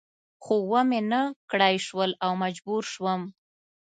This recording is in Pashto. خو و مې نه کړای شول او مجبور شوم.